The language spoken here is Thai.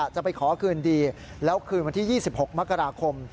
จะไปขอคืนดีแล้วคืนวันที่๒๖มกราคม